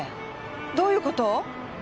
どういうこと？